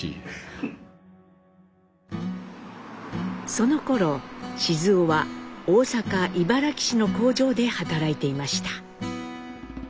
そのころ雄は大阪茨木市の工場で働いていました。